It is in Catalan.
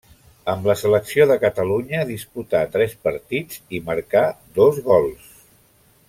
Amb la selecció de Catalunya disputà tres partits i marcà dos gols.